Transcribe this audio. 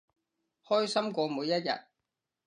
開心過每一日